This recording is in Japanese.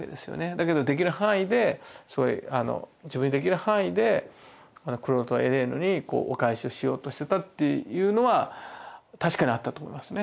だけどできる範囲で自分にできる範囲でクロードとエレーヌにお返しをしようとしてたっていうのは確かにあったと思いますね。